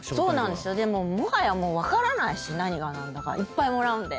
でももはや分からないし何が何だか。いっぱいもらうんで。